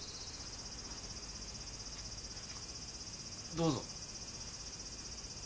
・どうぞ。